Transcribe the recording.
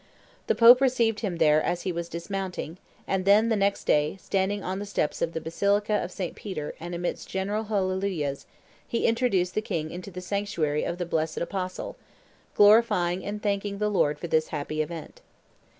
The Pope received him there as he was dismounting; then, the next day, standing on the steps of the basilica of St. Peter and amidst general hallelujahs, he introduced the king into the sanctuary of the blessed apostle, glorifying and thanking the Lord for this happy event.